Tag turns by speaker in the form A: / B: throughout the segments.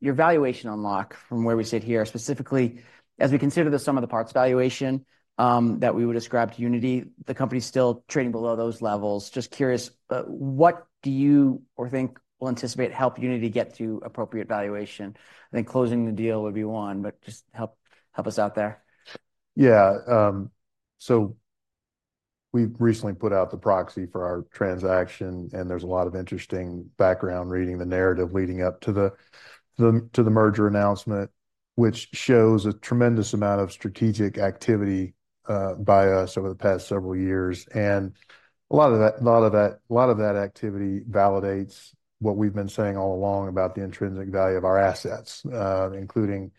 A: Your valuation unlock from where we sit here, specifically as we consider the sum of the parts valuation, that we would ascribe to Uniti, the company's still trading below those levels. Just curious, what do you or think or anticipate help Uniti get to appropriate valuation? I think closing the deal would be one, but just help, help us out there.
B: Yeah, so we've recently put out the proxy for our transaction, and there's a lot of interesting background, reading the narrative leading up to the merger announcement, which shows a tremendous amount of strategic activity by us over the past several years. And a lot of that activity validates what we've been saying all along about the intrinsic value of our assets, including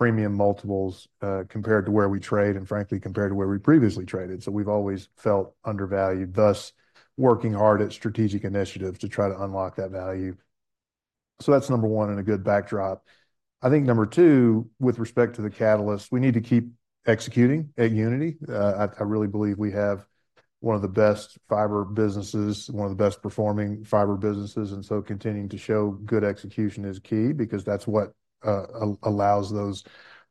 B: premium multiples, compared to where we trade, and frankly, compared to where we previously traded. So we've always felt undervalued, thus working hard at strategic initiatives to try to unlock that value. So that's number one and a good backdrop. I think number two, with respect to the catalyst, we need to keep executing at Uniti. I really believe we have one of the best fiber businesses, one of the best performing fiber businesses, and so continuing to show good execution is key because that's what allows those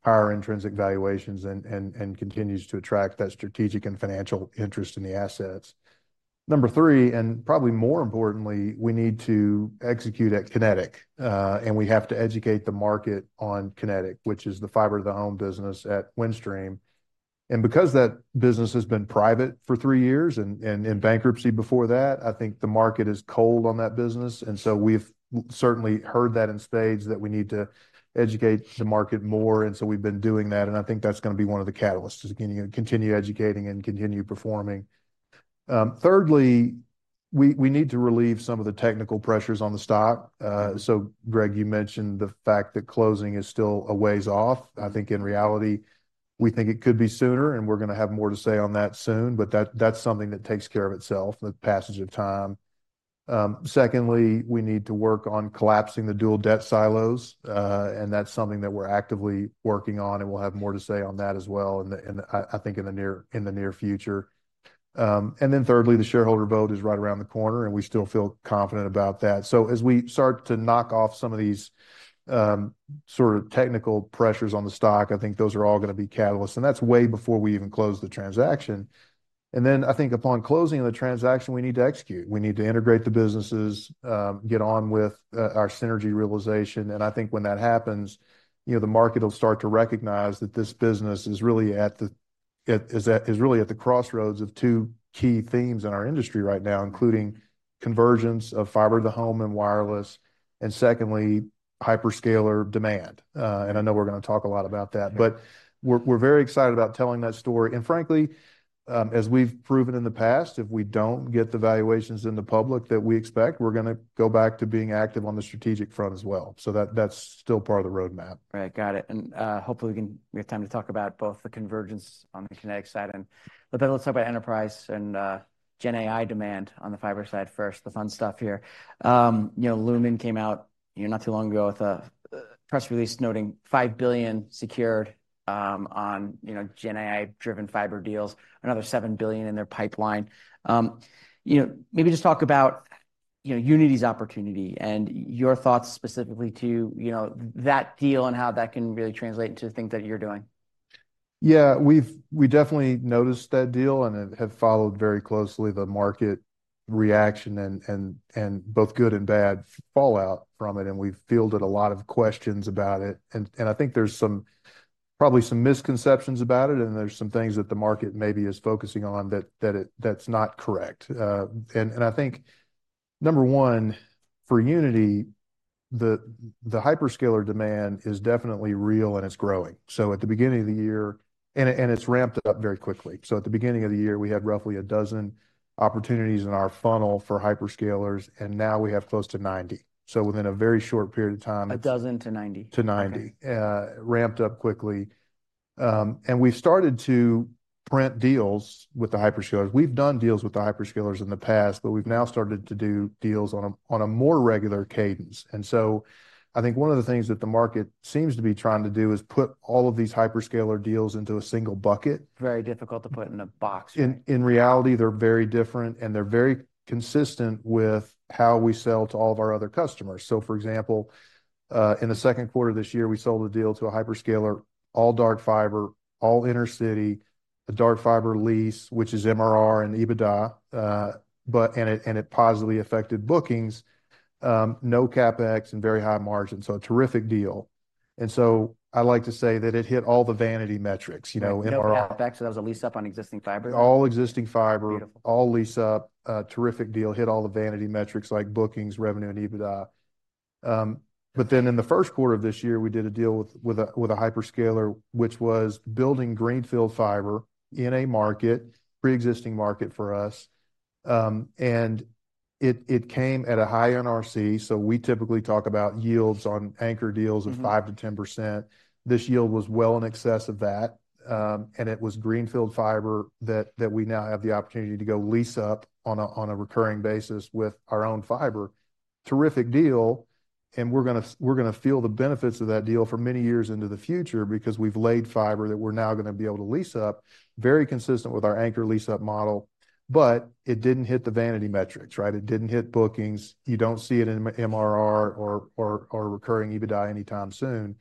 B: higher intrinsic valuations and continues to attract that strategic and financial interest in the assets. Number three, and probably more importantly, we need to execute at Kinetic. And we have to educate the market on Kinetic, which is the fiber to the home business at Windstream. And because that business has been private for three years, and in bankruptcy before that, I think the market is cold on that business, and so we've certainly heard that in spades, that we need to educate the market more, and so we've been doing that, and I think that's gonna be one of the catalysts, is continue educating and continue performing. Thirdly, we need to relieve some of the technical pressures on the stock. So Greg, you mentioned the fact that closing is still a ways off. I think in reality, we think it could be sooner, and we're gonna have more to say on that soon, but that's something that takes care of itself, the passage of time. Secondly, we need to work on collapsing the dual debt silos, and that's something that we're actively working on, and we'll have more to say on that as well in the near future. And then thirdly, the shareholder vote is right around the corner, and we still feel confident about that. So as we start to knock off some of these sort of technical pressures on the stock, I think those are all gonna be catalysts, and that's way before we even close the transaction. Then I think upon closing the transaction, we need to execute. We need to integrate the businesses, get on with our synergy realization, and I think when that happens, you know, the market will start to recognize that this business is really at the crossroads of two key themes in our industry right now, including convergence of fiber to the home and wireless, and secondly, hyperscaler demand. And I know we're gonna talk a lot about that. But we're very excited about telling that story. And frankly, as we've proven in the past, if we don't get the valuations in the public that we expect, we're gonna go back to being active on the strategic front as well. So that's still part of the roadmap.
A: Right. Got it. And, hopefully, we have time to talk about both the convergence on the Kinetic side and but then let's talk about enterprise and, GenAI demand on the fiber side first, the fun stuff here. You know, Lumen came out, you know, not too long ago with a press release noting $5 billion secured, on, you know, GenAI-driven fiber deals, another $7 billion in their pipeline. You know, maybe just talk about, you know, Uniti's opportunity and your thoughts specifically to, you know, that deal and how that can really translate into the things that you're doing.
B: Yeah, we've definitely noticed that deal and have followed very closely the market reaction and both good and bad fallout from it, and we've fielded a lot of questions about it. I think there's probably some misconceptions about it, and there's some things that the market maybe is focusing on that that's not correct. I think, number one, for Uniti, the hyperscaler demand is definitely real, and it's growing. It's ramped up very quickly. So at the beginning of the year, we had roughly a dozen opportunities in our funnel for hyperscalers, and now we have close to 90. So within a very short period of time.
A: A dozen to 90?
B: To 90. Ramped up quickly. We started to print deals with the hyperscalers. We've done deals with the hyperscalers in the past, but we've now started to do deals on a more regular cadence. So I think one of the things that the market seems to be trying to do is put all of these hyperscaler deals into a single bucket.
A: Very difficult to put in a box.
B: In reality, they're very different, and they're very consistent with how we sell to all of our other customers. So, for example, in the second quarter of this year, we sold a deal to a hyperscaler, all dark fiber, all inter-city, a dark fiber lease, which is MRR and EBITDA, but it positively affected bookings, no CapEx, and very high margin, so a terrific deal. And so I like to say that it hit all the vanity metrics, you know, MRR-
A: No CapEx, so that was a lease up on existing fiber?
B: All existing fiber.
A: Beautiful.
B: All lease up, a terrific deal, hit all the vanity metrics like bookings, revenue, and EBITDA. But then in the first quarter of this year, we did a deal with a hyperscaler, which was building greenfield fiber in a market, pre-existing market for us, and it came at a high NRC. So we typically talk about yields on anchor deals of 5%-10%. This yield was well in excess of that, and it was greenfield fiber that we now have the opportunity to go lease up on a recurring basis with our own fiber. Terrific deal, and we're gonna feel the benefits of that deal for many years into the future because we've laid fiber that we're now gonna be able to lease up, very consistent with our anchor lease-up model but it didn't hit the vanity metrics, right? It didn't hit bookings. You don't see it in MRR or recurring EBITDA anytime soon,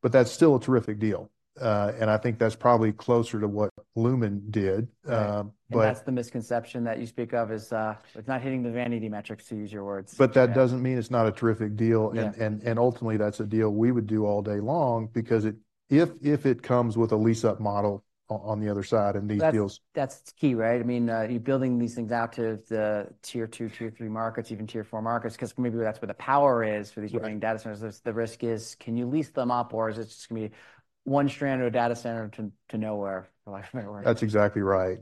B: but that's still a terrific deal. And I think that's probably closer to what Lumen did, but-
A: Right. And that's the misconception that you speak of is, it's not hitting the vanity metrics, to use your words.
B: But that doesn't mean it's not a terrific deal.
A: Yeah.
B: Ultimately, that's a deal we would do all day long because if it comes with a lease-up model on the other side in these deals-
A: That's, that's key, right? I mean, you're building these things out to the Tier 2, Tier 3 markets, even Tier 4 markets, 'cause maybe that's where the power is for the data centers. The risk is, can you lease them up, or is this just gonna be one strand of a data center to nowhere, for lack of a better word?
B: That's exactly right.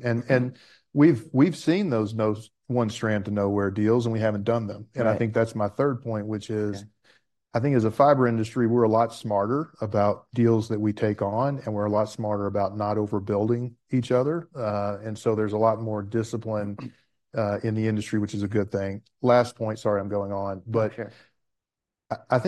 B: We've seen those no one strand to nowhere deals, and we haven't done them. And I think that's my third point, which is I think as a fiber industry, we're a lot smarter about deals that we take on, and we're a lot smarter about not overbuilding each other. And so there's a lot more discipline in the industry, which is a good thing. Last point, sorry, I'm going on, but-
A: Sure.
B: I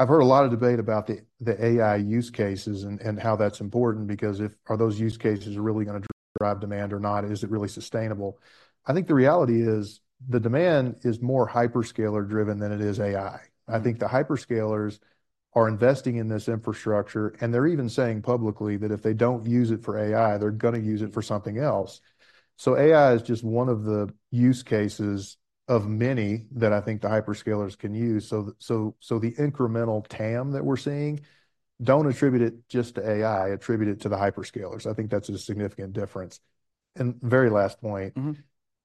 B: think I've heard a lot of debate about the AI use cases and how that's important, because if... Are those use cases really gonna drive demand or not? Is it really sustainable? I think the reality is, the demand is more hyperscaler-driven than it is AI. I think the hyperscalers are investing in this infrastructure, and they're even saying publicly that if they don't use it for AI, they're gonna use it for something else. So AI is just one of the use cases of many that I think the hyperscalers can use. So the incremental TAM that we're seeing, don't attribute it just to AI, attribute it to the hyperscalers. I think that's a significant difference. And very last point.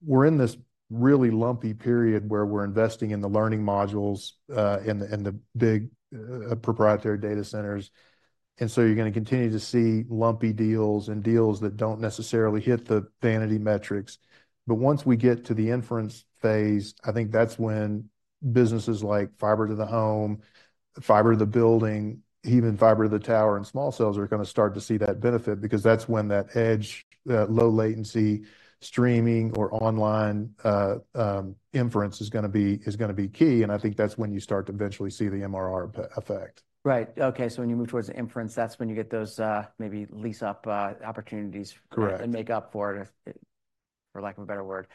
B: We're in this really lumpy period where we're investing in the learning modules, and the big proprietary data centers, and so you're gonna continue to see lumpy deals and deals that don't necessarily hit the vanity metrics. But once we get to the inference phase, I think that's when businesses like fiber to the home, fiber to the building, even fiber to the tower and small cells, are gonna start to see that benefit. Because that's when that edge low latency, streaming, or online inference is gonna be key, and I think that's when you start to eventually see the MRR effect.
A: Right. Okay, so when you move towards the inference, that's when you get those, maybe lease-up opportunities-
B: Correct...
A: and make up for it, if, for lack of a better word.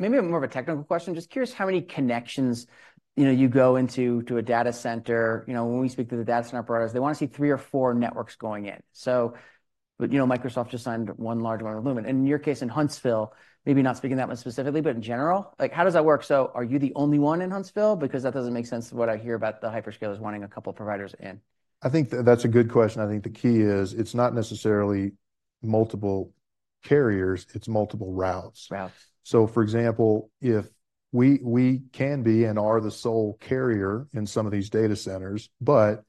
A: Maybe more of a technical question. Just curious how many connections, you know, you go into to a data center, you know, when we speak to the data center providers, they wanna see three or four networks going in. So but, you know, Microsoft just signed one large one with Lumen. And in your case, in Huntsville, maybe not speaking that one specifically, but in general, like, how does that work? So are you the only one in Huntsville? Because that doesn't make sense to what I hear about the hyperscalers wanting a couple of providers in.
B: I think that that's a good question. I think the key is, it's not necessarily multiple carriers, it's multiple routes.
A: Routes.
B: So, for example, if we can be and are the sole carrier in some of these data centers, but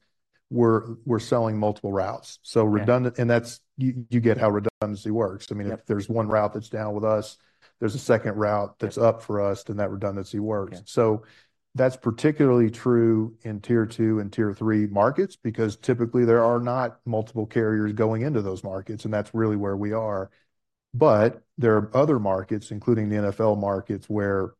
B: we're selling multiple routes. You get how redundancy works. I mean, if there's one route that's down with us, there's a second route that's up for us, then that redundancy works So that's particularly true in Tier 2 and Tier 3 markets, because typically there are not multiple carriers going into those markets, and that's really where we are. But there are other markets, including the NFL markets, where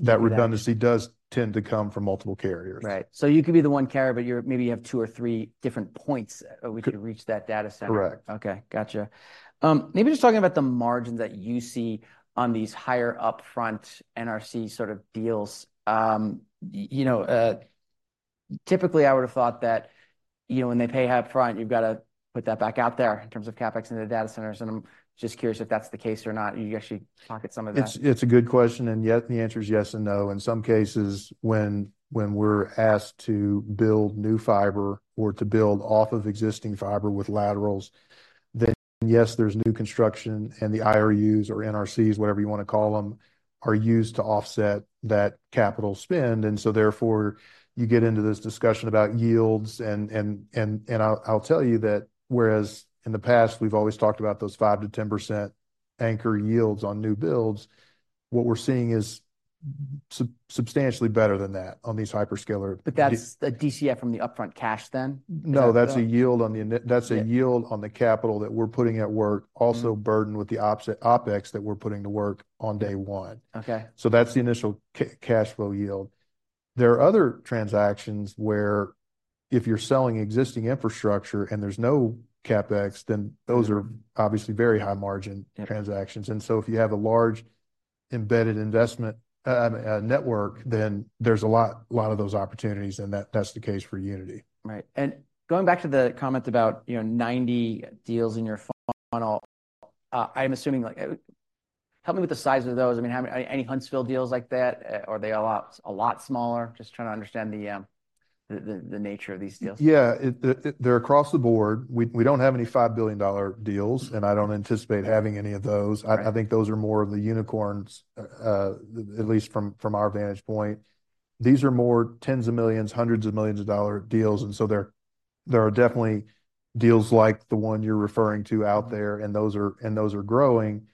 B: that redundancy does tend to come from multiple carriers.
A: Right. So you could be the one carrier, but you're- maybe you have two or three different points where you could reach that data center.
B: Correct.
A: Okay, gotcha. Maybe just talking about the margins that you see on these higher upfront NRC sort of deals. You know, typically I would've thought that, you know, when they pay upfront, you've gotta put that back out there in terms of CapEx in the data centers, and I'm just curious if that's the case or not, and you actually pocket some of that.
B: It's a good question, and yet the answer is yes and no. In some cases, when we're asked to build new fiber or to build off of existing fiber with laterals, then yes, there's new construction, and the IRUs or NRCs, whatever you wanna call them, are used to offset that capital spend. And so therefore, you get into this discussion about yields, and I'll tell you that, whereas in the past we've always talked about those 5%-10% anchor yields on new builds, what we're seeing is substantially better than that on these hyperscaler-
A: That's the DCF from the upfront cash then?
B: No. That's a yield on the capital that we're putting at work. Also burdened with the OpEx that we're putting to work on day one. So that's the initial cash flow yield. There are other transactions where if you're selling existing infrastructure and there's no CapEx, then those are obviously very high-margin transactions. And so if you have a large embedded investment, network, then there's a lot, lot of those opportunities, and that, that's the case for Uniti.
A: Right. And going back to the comment about, you know, 90 deals in your funnel, I'm assuming, like... Help me with the size of those. I mean, any Huntsville deals like that, or are they a lot, a lot smaller? Just trying to understand the nature of these deals.
B: Yeah, they're across the board. We don't have any $5 billion deals and I don't anticipate having any of those. I think those are more of the unicorns, at least from our vantage point. These are more $10s of millions, $100s of millions deals, and so there are definitely deals like the one you're referring to out there, and those are growing,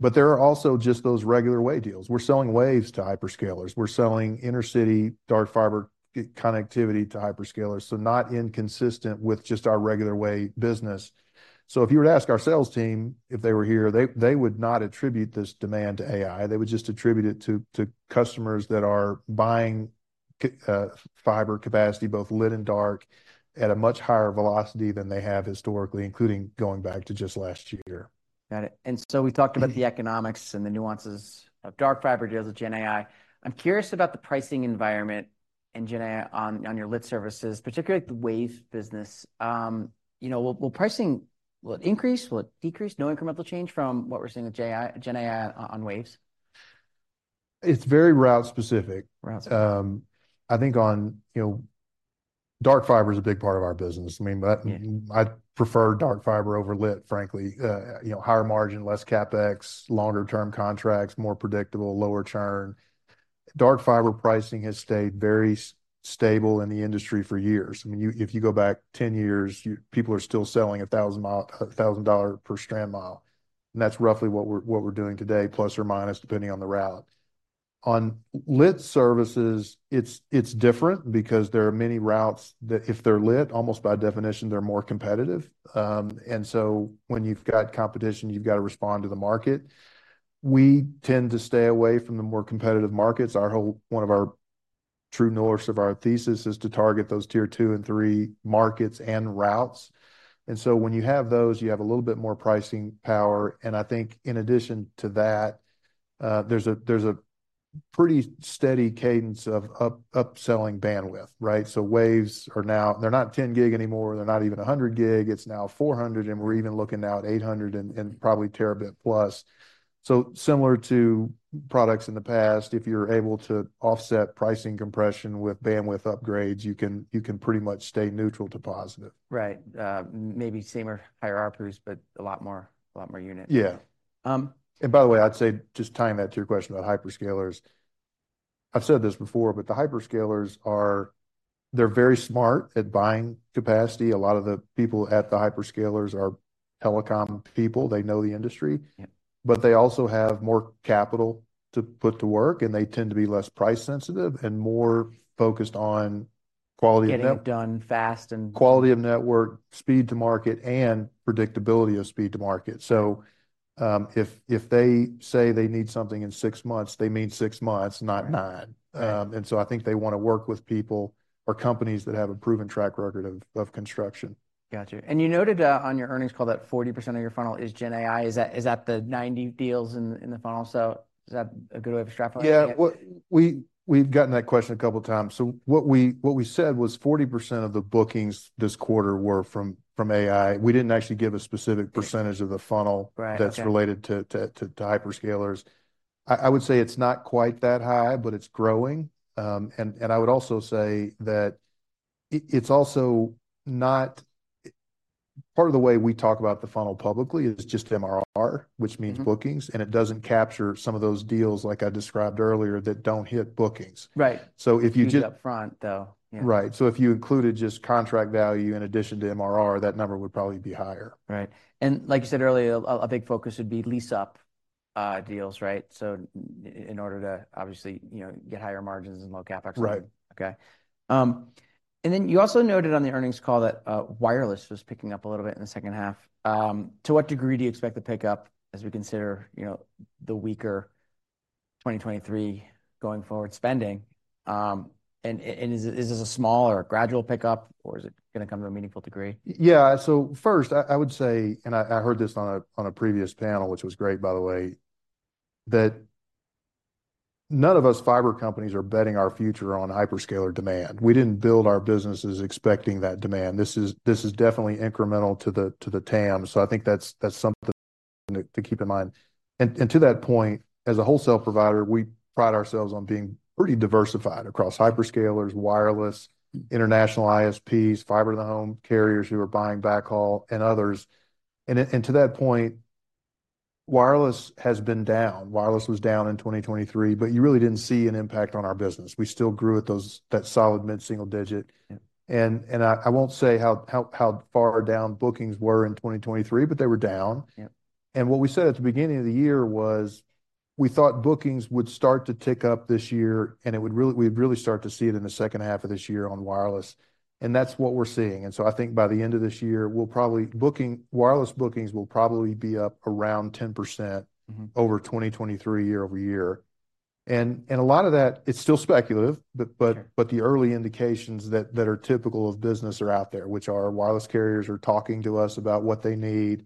B: but there are also just those regular way deals. We're selling waves to hyperscalers. We're selling inter-city dark fiber connectivity to hyperscalers, so not inconsistent with just our regular way business. So if you were to ask our sales team, if they were here, they would not attribute this demand to AI. They would just attribute it to customers that are buying fiber capacity, both lit and dark, at a much higher velocity than they have historically, including going back to just last year.
A: Got it. And so we talked about the economics and the nuances of dark fiber deals with GenAI. I'm curious about the pricing environment in GenAI on your lit services, particularly the waves business. You know, will pricing, will it increase, will it decrease? No incremental change from what we're seeing with GenAI on waves?
B: It's very route specific.
A: Route specific.
B: I think on, you know, Dark Fiber is a big part of our business. I mean, but I prefer Dark Fiber over lit, frankly. You know, higher margin, less CapEx, longer term contracts, more predictable, lower churn. Dark Fiber pricing has stayed very stable in the industry for years. I mean, if you go back 10 years, people are still selling a 1,000-mile, $1,000 per strand mile, and that's roughly what we're doing today, plus or minus, depending on the route. On lit services, it's different because there are many routes that if they're lit, almost by definition, they're more competitive. And so when you've got competition, you've got to respond to the market. We tend to stay away from the more competitive markets. Our whole one of our true north of our thesis is to target those Tier 2 and 3 markets and routes. And so, when you have those, you have a little bit more pricing power, and I think in addition to that, there's a pretty steady cadence of upselling bandwidth, right? So waves are now... They're not 10 gig anymore, they're not even 100 gig. It's now 400, and we're even looking now at 800 and probably terabit plus. So similar to products in the past, if you're able to offset pricing compression with bandwidth upgrades, you can pretty much stay neutral to positive.
A: Right. Maybe same or higher ARPU, but a lot more, a lot more units.
B: Yeah. By the way, I'd say, just tying that to your question about hyperscalers, I've said this before, but the hyperscalers are, they're very smart at buying capacity. A lot of the people at the hyperscalers are telecom people. They know the industry.
A: Yeah.
B: But they also have more capital to put to work, and they tend to be less price sensitive and more focused on quality of net-
A: Getting it done fast and-
B: Quality of network, speed to market, and predictability of speed to market. So, if they say they need something in six months, they mean six months, not nine. And so I think they want to work with people or companies that have a proven track record of construction.
A: Got you. And you noted on your earnings call that 40% of your funnel is GenAI. Is that the 90 deals in the funnel? So is that a good way of extrapolating it?
B: Yeah, well, we've gotten that question a couple of times. So what we said was 40% of the bookings this quarter were from AI. We didn't actually give a specific percentage of the funnel that's related to hyperscalers. I would say it's not quite that high, but it's growing. I would also say that it's also not part of the way we talk about the funnel publicly is just MRR which means bookings, and it doesn't capture some of those deals, like I described earlier, that don't hit bookings.
A: Right.
B: So if you just-
A: Upfront, though. Yeah.
B: Right. So if you included just contract value in addition to MRR, that number would probably be higher.
A: Right. And like you said earlier, a big focus would be lease-up deals, right? So in order to obviously, you know, get higher margins and low CapEx.
B: Right.
A: Okay. And then you also noted on the earnings call that wireless was picking up a little bit in the second half. To what degree do you expect to pick up as we consider, you know, the weaker 2023 going forward spending? And is this a small or a gradual pickup, or is it gonna come to a meaningful degree?
B: Yeah. So first, I would say, and I heard this on a previous panel, which was great, by the way, that none of us fiber companies are betting our future on hyperscaler demand. We didn't build our businesses expecting that demand. This is definitely incremental to the TAM, so I think that's something to keep in mind. And to that point, as a wholesale provider, we pride ourselves on being pretty diversified across hyperscalers, wireless, international ISPs, fiber to the home, carriers who are buying backhaul, and others. And to that point, wireless has been down. Wireless was down in 2023, but you really didn't see an impact on our business. We still grew at that solid mid-single digit. I won't say how far down bookings were in 2023, but they were down.
A: Yeah.
B: What we said at the beginning of the year was, we thought bookings would start to tick up this year, and it would really--we'd really start to see it in the second half of this year on wireless, and that's what we're seeing. And so I think by the end of this year, we'll probably... Booking, wireless bookings will probably be up around 10% over 2023, year over year. And a lot of that, it's still speculative.
A: Sure.
B: But the early indications that are typical of business are out there, which are wireless carriers are talking to us about what they need.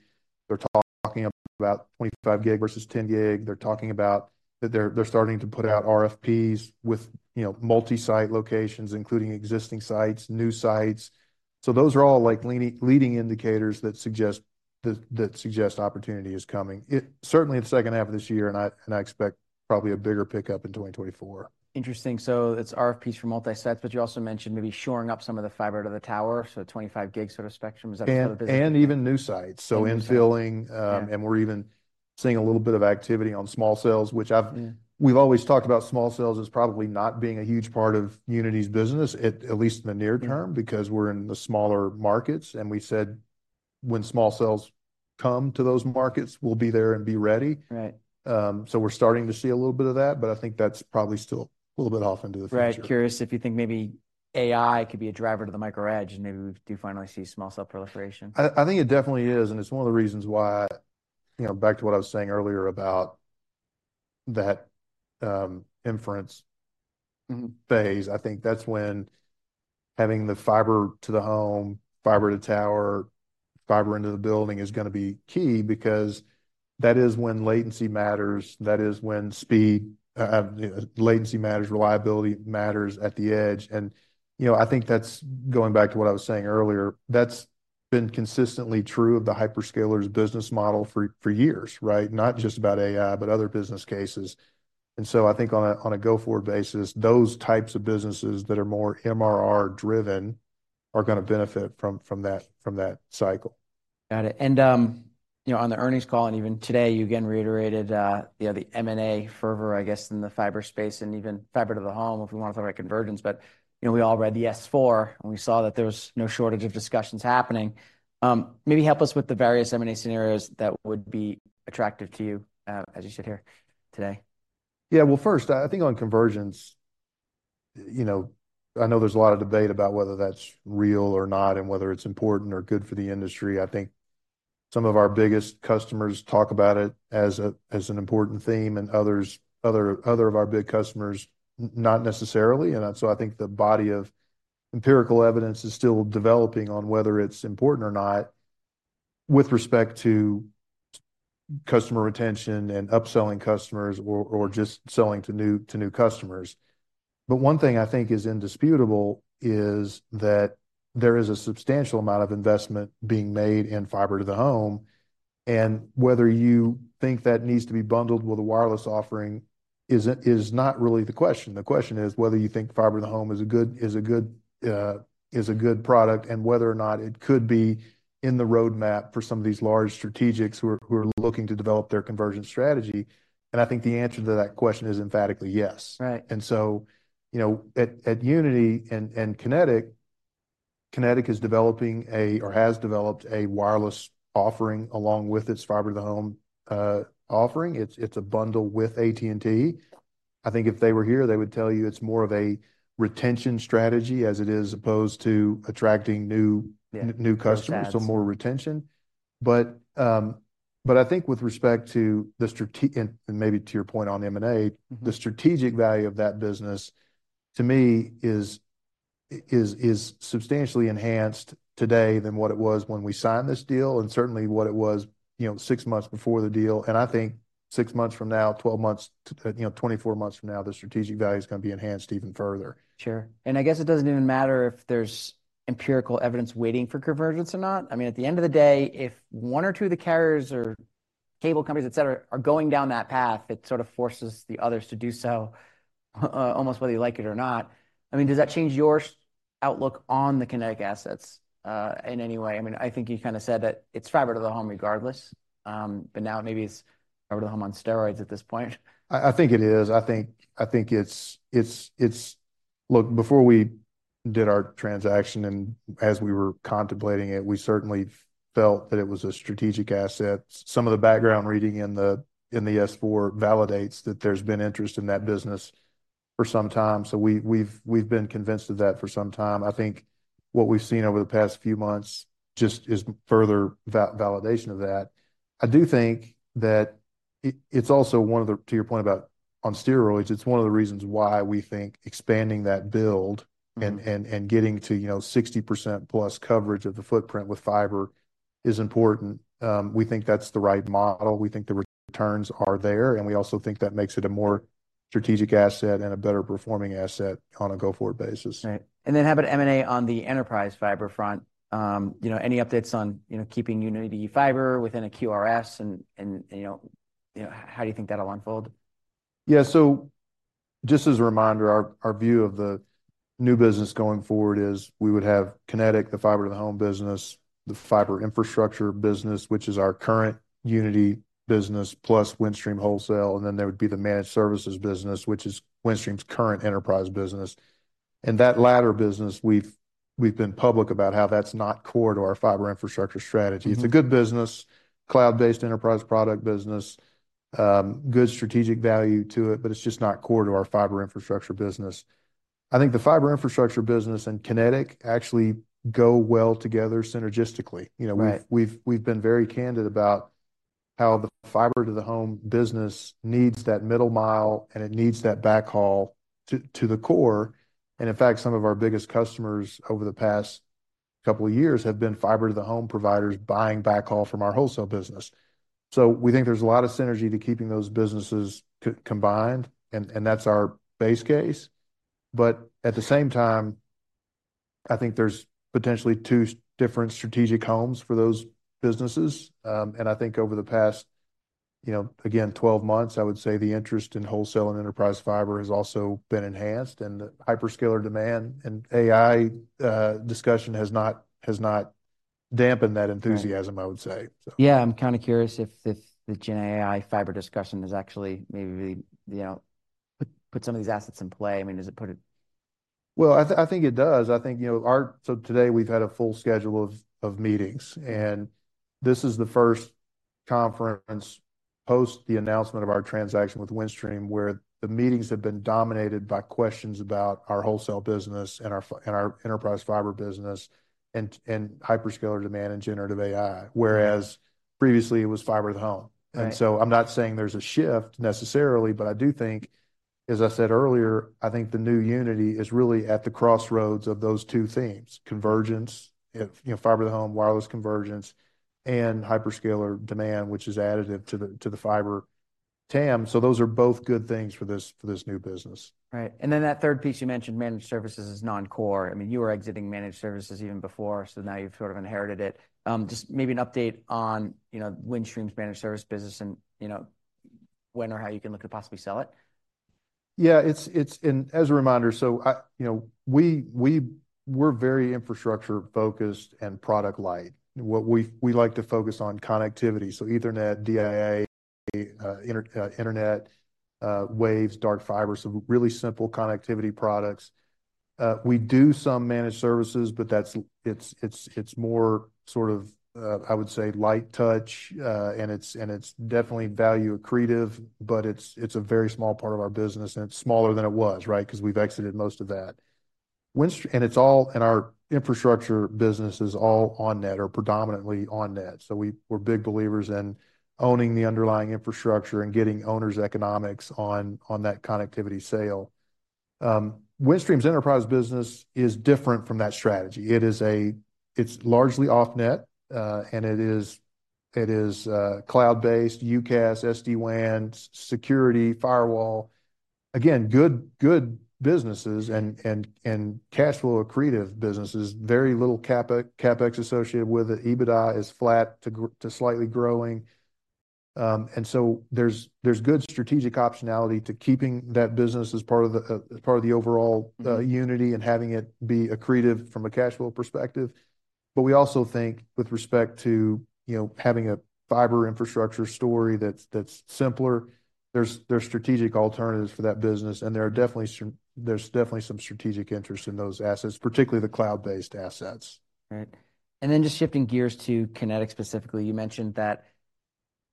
B: They're talking about 25 gig versus 10 gig. They're talking about that they're starting to put out RFPs with, you know, multi-site locations, including existing sites, new sites. So those are all, like, leading indicators that suggest opportunity is coming. It certainly in the second half of this year, and I expect probably a bigger pickup in 2024.
A: Interesting. So it's RFPs for multi-sites, but you also mentioned maybe shoring up some of the fiber to the tower, so 25 gig sort of spectrum. Is that another business?
B: Even new sites-
A: New sites...
B: so infilling,
A: Yeah...
B: and we're even seeing a little bit of activity on small cells, which I've-
A: Yeah ...
B: we've always talked about small cells as probably not being a huge part of Uniti's business, at least in the near term because we're in the smaller markets, and we said, when small cells come to those markets, we'll be there and be ready. So, we're starting to see a little bit of that, but I think that's probably still a little bit off into the future.
A: Right. Curious if you think maybe AI could be a driver to the micro edge, and maybe we do finally see small cell proliferation?
B: I think it definitely is, and it's one of the reasons why you know, back to what I was saying earlier about that, inference phase, I think that's when having the fiber to the home, fiber to tower, fiber into the building is gonna be key because that is when latency matters. That is when speed, latency matters, reliability matters at the edge, and, you know, I think that's going back to what I was saying earlier, that's been consistently true of the hyperscalers business model for, for years, right? Not just about AI, but other business cases. And so I think on a, on a go-forward basis, those types of businesses that are more MRR-driven are gonna benefit from, from that, from that cycle.
A: Got it. And, you know, on the earnings call, and even today, you again reiterated, you know, the M&A fervor, I guess, in the fiber space, and even fiber to the home, if we wanna talk about convergence, but, you know, we all read the S/4, and we saw that there was no shortage of discussions happening. Maybe help us with the various M&A scenarios that would be attractive to you, as you sit here today.
B: Yeah, well, first, I think on convergence, you know, I know there's a lot of debate about whether that's real or not, and whether it's important or good for the industry. I think some of our biggest customers talk about it as an important theme, and others of our big customers not necessarily, and so I think the body of empirical evidence is still developing on whether it's important or not, with respect to customer retention and upselling customers or just selling to new customers. But one thing I think is indisputable is that there is a substantial amount of investment being made in fiber to the home, and whether you think that needs to be bundled with a wireless offering is not really the question. The question is whether you think fiber to the home is a good product, and whether or not it could be in the roadmap for some of these large strategics who are looking to develop their conversion strategy. I think the answer to that question is emphatically yes.
A: Right.
B: So, you know, at Uniti and Kinetic, Kinetic is developing a, or has developed a wireless offering along with its fiber to the home offering. It's a bundle with AT&T. I think if they were here, they would tell you it's more of a retention strategy as it is, opposed to attracting new customers, so more retention. But, I think with respect to the strategy and maybe to your point on M&A, the strategic value of that business, to me, is substantially enhanced today than what it was when we signed this deal, and certainly what it was, you know, six months before the deal. And I think six months from now, 12 months, you know, 24 months from now, the strategic value is gonna be enhanced even further.
A: Sure, and I guess it doesn't even matter if there's empirical evidence waiting for convergence or not. I mean, at the end of the day, if one or two of the carriers or cable companies, et cetera, are going down that path, it sort of forces the others to do so, almost whether you like it or not. I mean, does that change your outlook on the Kinetic assets, in any way? I mean, I think you kinda said that it's fiber to the home regardless, but now maybe it's fiber to the home on steroids at this point.
B: I think it is. I think it's... Look, before we did our transaction, and as we were contemplating it, we certainly felt that it was a strategic asset. Some of the background reading in the S/4 validates that there's been interest in that business for some time, so we've been convinced of that for some time. I think what we've seen over the past few months just is further validation of that. I do think that it's also one of the, to your point about on steroids, it's one of the reasons why we think expanding that build getting to, you know, 60%+ coverage of the footprint with fiber is important. We think that's the right model, we think the returns are there, and we also think that makes it a more strategic asset and a better performing asset on a go-forward basis.
A: Right. And then how about M&A on the enterprise fiber front? You know, any updates on, you know, keeping Uniti Fiber within a QRS, and, and, you know, you know, how do you think that'll unfold?
B: Yeah, so just as a reminder, our view of the new business going forward is we would have Kinetic, the fiber to the home business, the fiber infrastructure business, which is our current Uniti business, plus Windstream Wholesale, and then there would be the managed services business, which is Windstream's current enterprise business. That latter business, we've been public about how that's not core to our fiber infrastructure strategy. It's a good business, cloud-based enterprise product business, good strategic value to it, but it's just not core to our fiber infrastructure business. I think the fiber infrastructure business and Kinetic actually go well together synergistically. You know, we've been very candid about how the fiber to the home business needs that middle mile, and it needs that backhaul to the core. And in fact, some of our biggest customers over the past couple of years have been fiber to the home providers buying backhaul from our wholesale business. So we think there's a lot of synergy to keeping those businesses combined, and that's our base case. But at the same time, I think there's potentially two different strategic homes for those businesses. And I think over the past, you know, again, 12 months, I would say the interest in wholesale and enterprise fiber has also been enhanced, and the hyperscaler demand and AI discussion has not dampened that enthusiasm I would say, so.
A: Yeah, I'm kinda curious if the Gen AI fiber discussion has actually maybe, you know, put some of these assets in play. I mean, does it put it?
B: Well, I think it does. I think, you know, so today we've had a full schedule of meetings, and this is the first conference post the announcement of our transaction with Windstream, where the meetings have been dominated by questions about our wholesale business and our fiber and our enterprise fiber business, and hyperscaler demand and generative AI, whereas previously it was fiber to home. And so I'm not saying there's a shift necessarily, but I do think, as I said earlier, I think the new Uniti is really at the crossroads of those two themes: convergence, you know, fiber to the home, wireless convergence, and hyperscaler demand, which is additive to the, to the fiber TAM. So those are both good things for this, for this new business.
A: Right. And then that third piece you mentioned, managed services, is non-core. I mean, you were exiting managed services even before, so now you've sort of inherited it. Just maybe an update on, you know, Windstream's managed service business and, you know, when or how you can look to possibly sell it?
B: Yeah, it's, and as a reminder, you know, we're very infrastructure-focused and product-light. What we like to focus on connectivity, so Ethernet, DIA, internet, Waves, Dark Fiber, some really simple connectivity products. We do some managed services, but that's more sort of, I would say light touch. And it's definitely value accretive, but it's a very small part of our business, and it's smaller than it was, right? Because we've exited most of that. And it's all, and our infrastructure business is all on net or predominantly on net. So we're big believers in owning the underlying infrastructure and getting owners' economics on that connectivity sale. Windstream's enterprise business is different from that strategy. It's largely off-net, and it is cloud-based, UCaaS, SD-WAN, security, firewall. Again, good businesses and cash flow accretive businesses. Very little CapEx associated with it. EBITDA is flat to slightly growing. And so there's good strategic optionality to keeping that business as part of the overall. Uniti and having it be accretive from a cash flow perspective. But we also think with respect to, you know, having a fiber infrastructure story that's simpler, there's strategic alternatives for that business, and there are definitely some strategic interest in those assets, particularly the cloud-based assets.
A: Right. And then just shifting gears to Kinetic specifically, you mentioned that,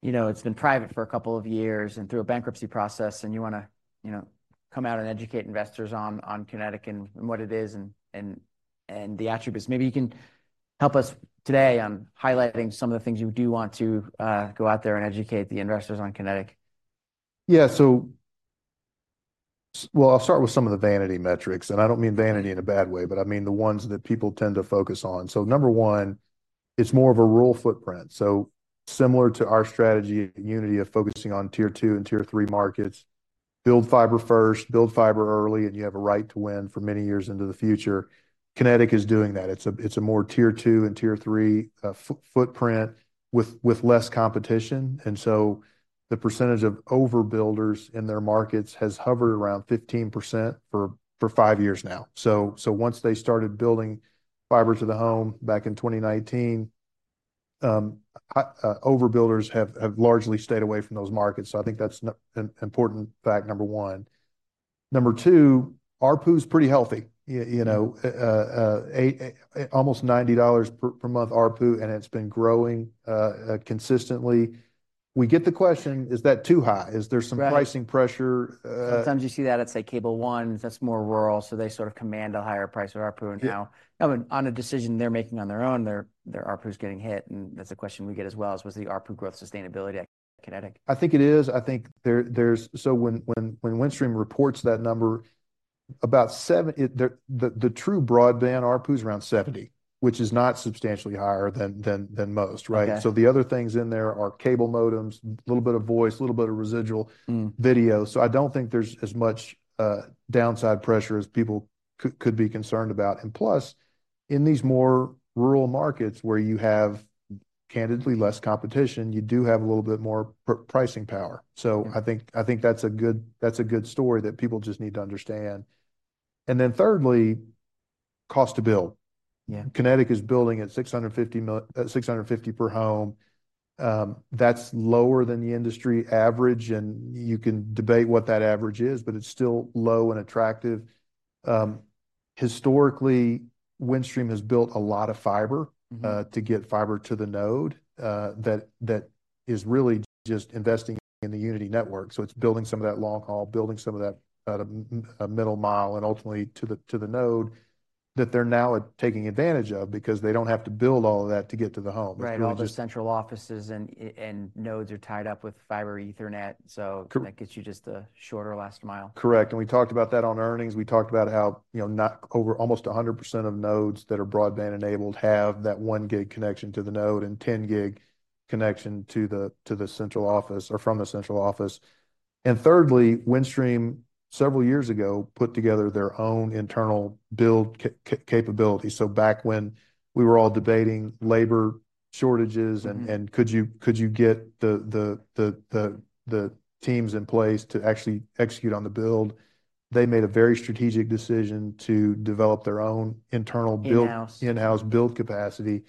A: you know, it's been private for a couple of years and through a bankruptcy process, and you want to, you know, come out and educate investors on Kinetic and the attributes. Maybe you can help us today on highlighting some of the things you do want to go out there and educate the investors on Kinetic.
B: Yeah. So, well, I'll start with some of the vanity metrics, and I don't mean vanity in a bad way, but I mean the ones that people tend to focus on. So number one, it's more of a rural footprint, so similar to our strategy, Uniti of focusing on Tier 2 and Tier 3 markets, build fiber first, build fiber early, and you have a right to win for many years into the future. Kinetic is doing that. It's a more Tier 2 and Tier 3 footprint with less competition, and so the percentage of overbuilders in their markets has hovered around 15% for five years now. So once they started building fiber to the home back in 2019, overbuilders have largely stayed away from those markets. So I think that's an important fact, number one. Number two, ARPU is pretty healthy. You know, eighty almost $90 per month ARPU, and it's been growing consistently. We get the question: "Is that too high? Is there some pricing pressure,
A: Sometimes you see that it's like Cable One, that's more rural, so they sort of command a higher price of ARPU and now, I mean, on a decision they're making on their own, their, their ARPU is getting hit, and that's a question we get as well, is, was the ARPU growth sustainability at Kinetic?
B: I think it is. I think there's. So when Windstream reports that number, about 7, the true broadband ARPU is around 70, which is not substantially higher than most, right? So the other things in there are cable modems, little bit of voice, little bit of residual video. So I don't think there's as much downside pressure as people could be concerned about. And plus, in these more rural markets where you have candidly less competition, you do have a little bit more pricing power. So I think that's a good story that people just need to understand. And then thirdly, cost to build. Kinetic is building at $650 per home. That's lower than the industry average, and you can debate what that average is, but it's still low and attractive. Historically, Windstream has built a lot of fiber to get fiber to the node, that is really just investing in the Uniti network. So it's building some of that long haul, building some of that middle mile, and ultimately to the node, that they're now at taking advantage of because they don't have to build all of that to get to the home. It's really just-
A: Right, all the central offices and nodes are tied up with fiber Ethernet, so that gets you just a shorter last mile.
B: Correct. We talked about that on earnings. We talked about how, you know, over almost 100% of nodes that are broadband-enabled have that 1 gig connection to the node and 10 gig connection to the central office or from the central office. Thirdly, Windstream, several years ago, put together their own internal build capability. So back when we were all debating labor shortages and could you get the teams in place to actually execute on the build? They made a very strategic decision to develop their own internal build-
A: In-house
B: In-house build capacity.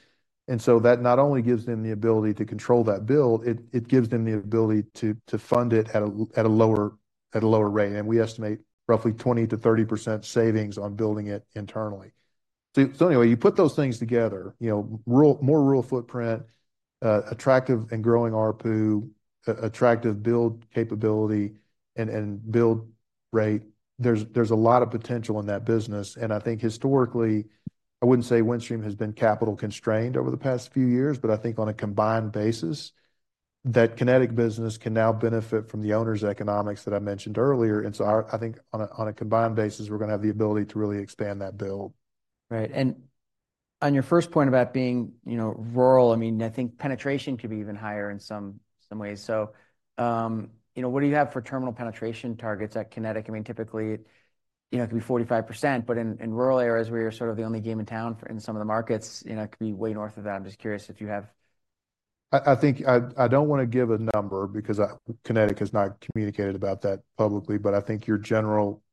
B: And so that not only gives them the ability to control that build, it gives them the ability to fund it at a lower rate. And we estimate roughly 20%-30% savings on building it internally. So anyway, you put those things together, you know, rural, more rural footprint, attractive and growing ARPU, attractive build capability and build rate. There's a lot of potential in that business, and I think historically, I wouldn't say Windstream has been capital constrained over the past few years, but I think on a combined basis, that Kinetic business can now benefit from the owner's economics that I mentioned earlier. And so I think on a combined basis, we're gonna have the ability to really expand that build.
A: Right. And on your first point about being, you know, rural, I mean, I think penetration could be even higher in some ways. So, you know, what do you have for terminal penetration targets at Kinetic? I mean, typically, you know, it could be 45%, but in rural areas where you're sort of the only game in town for, in some of the markets, you know, it could be way north of that. I'm just curious if you have-
B: I think I don't wanna give a number because Kinetic has not communicated about that publicly, but I think your general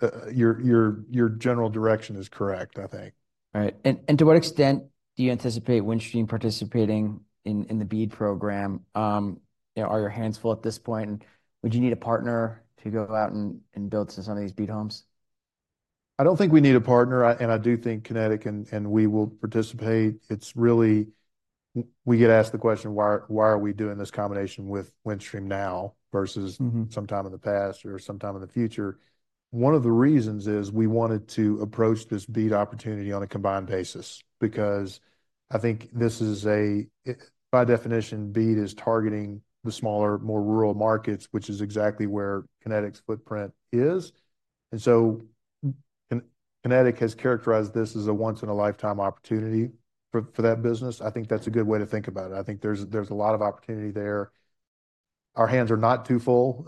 B: direction is correct, I think.
A: All right. To what extent do you anticipate Windstream participating in the BEAD program? You know, are your hands full at this point, and would you need a partner to go out and build some of these BEAD homes?
B: I don't think we need a partner, and I do think Kinetic and we will participate. It's really, we get asked the question, "Why are we doing this combination with Windstream now versus sometime in the past or sometime in the future?" One of the reasons is we wanted to approach this BEAD opportunity on a combined basis, because I think this is a, by definition, BEAD is targeting the smaller, more rural markets, which is exactly where Kinetic's footprint is. And so, Kinetic has characterized this as a once-in-a-lifetime opportunity for, for that business. I think that's a good way to think about it. I think there's a lot of opportunity there. Our hands are not too full.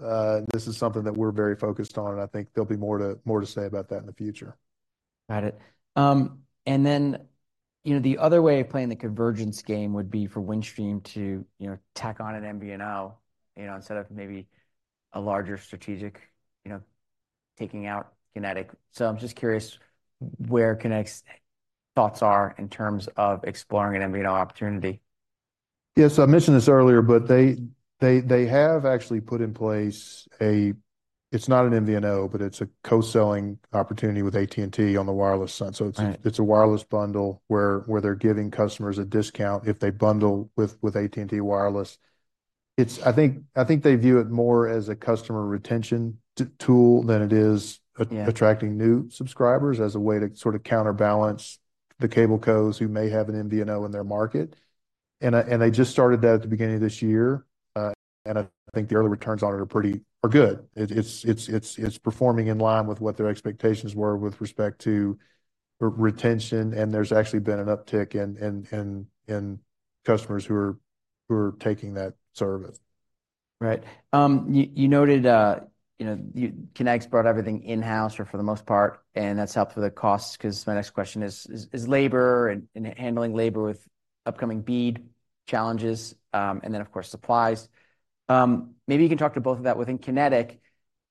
B: This is something that we're very focused on, and I think there'll be more to say about that in the future.
A: Got it. And then, you know, the other way of playing the convergence game would be for Windstream to, you know, tack on an MVNO, you know, instead of maybe a larger strategic, you know, taking out Kinetic. So I'm just curious where Kinetic's thoughts are in terms of exploring an MVNO opportunity.
B: Yes, I mentioned this earlier, but they have actually put in place a... It's not an MVNO, but it's a co-selling opportunity with AT&T on the wireless side. So it's a wireless bundle where they're giving customers a discount if they bundle with AT&T Wireless. It's—I think they view it more as a customer retention tool than it is attracting new subscribers, as a way to sort of counterbalance the cable cos who may have an MVNO in their market. And they just started that at the beginning of this year, and I think the early returns on it are pretty good. It's performing in line with what their expectations were with respect to retention, and there's actually been an uptick in customers who are taking that service.
A: Right. You noted, you know, Kinetic's brought everything in-house or for the most part, and that's helped with the costs, 'cause my next question is labor and handling labor with upcoming BEAD challenges, and then, of course, supplies. Maybe you can talk to both of that within Kinetic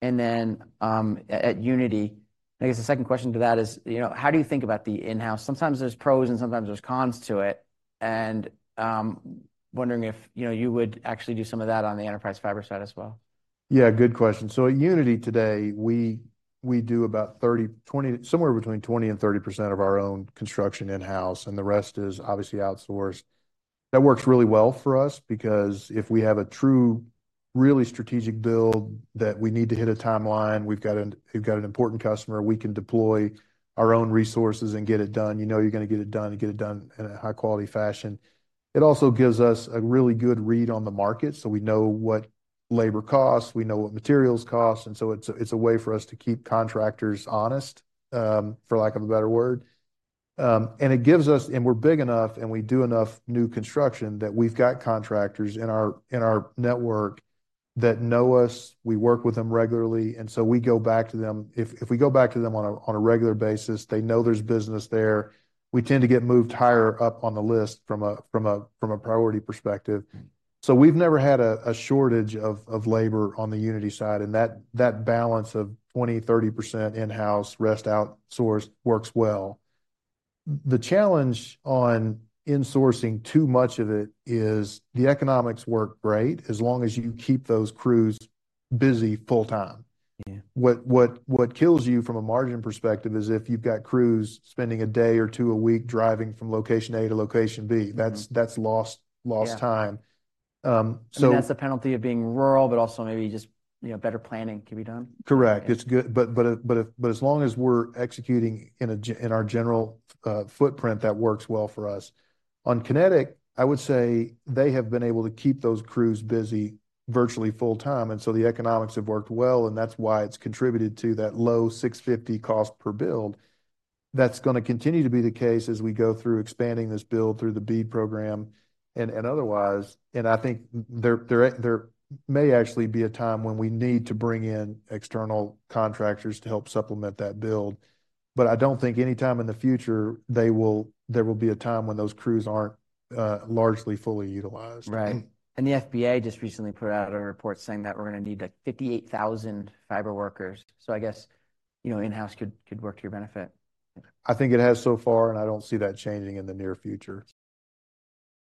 A: and then at Uniti. I guess the second question to that is, you know, how do you think about the in-house? Sometimes there's pros and sometimes there's cons to it, and wondering if, you know, you would actually do some of that on the enterprise fiber side as well.
B: Yeah, good question. So at Uniti today, we do about 30, 20, somewhere between 20 and 30% of our own construction in-house, and the rest is obviously outsourced. That works really well for us because if we have a true, really strategic build that we need to hit a timeline, we've got an important customer, we can deploy our own resources and get it done. You know you're gonna get it done and get it done in a high-quality fashion. It also gives us a really good read on the market, so we know what labor costs, we know what materials cost, and so it's a way for us to keep contractors honest, for lack of a better word. And it gives us... We're big enough, and we do enough new construction, that we've got contractors in our network that know us. We work with them regularly, and so we go back to them. If we go back to them on a regular basis, they know there's business there. We tend to get moved higher up on the list from a priority perspective. So we've never had a shortage of labor on the Uniti side, and that balance of 20-30% in-house, rest outsourced, works well. The challenge on insourcing too much of it is the economics work great, as long as you keep those crews busy full-time. What kills you from a margin perspective is if you've got crews spending a day or two a week driving from location A to location B that's lost time.
A: Yeah. Maybe that's the penalty of being rural, but also maybe just, you know, better planning can be done?
B: Correct. It's good. But as long as we're executing in our general footprint, that works well for us. On Kinetic, I would say they have been able to keep those crews busy virtually full-time, and so the economics have worked well, and that's why it's contributed to that low $650 cost per build. That's gonna continue to be the case as we go through expanding this build through the BEAD program and otherwise, and I think there may actually be a time when we need to bring in external contractors to help supplement that build, but I don't think any time in the future there will be a time when those crews aren't largely fully utilized.
A: Right. The FBA just recently put out a report saying that we're gonna need, like, 58,000 fiber workers. So I guess, you know, in-house could work to your benefit.
B: I think it has so far, and I don't see that changing in the near future.